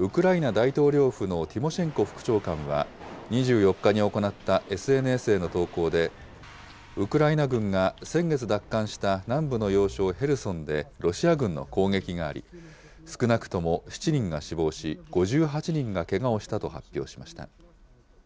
大統領府のティモシェンコ副長官は、２４日に行ったＳＮＳへの投稿で、ウクライナ軍が先月奪還した南部の要衝ヘルソンでロシア軍の攻撃があり、少なくとも７人が死亡し、５８人がけがをしたと発表しました。